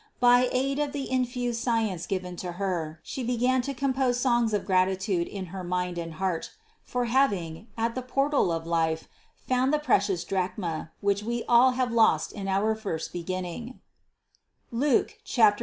By aid of the infused science given to Her, She began to compose songs of gratitude in her mind and heart for having, at the portal of life, found the precious drachm, which we all have lost in our first beginning (Luke 15, 9).